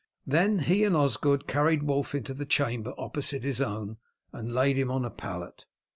Then he and Osgod carried Wulf into the chamber opposite his own, and laid him on a pallet.